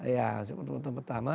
ya masih pertemuan pertama